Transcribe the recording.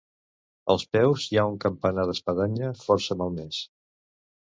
Als peus hi ha un campanar d'espadanya força malmés.